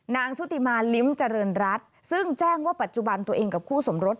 ชุติมาลิ้มเจริญรัฐซึ่งแจ้งว่าปัจจุบันตัวเองกับคู่สมรส